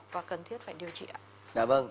và cần thiết phải điều trị